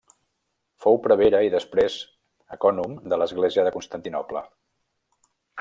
Fou prevere i després ecònom de l'església de Constantinoble.